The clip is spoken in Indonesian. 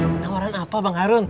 penawaran apa bang harun